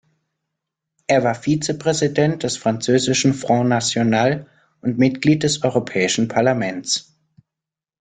Er war Vizepräsident des französischen Front National und Mitglied des Europäischen Parlaments.